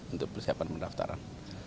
untuk persiapan pendaftaran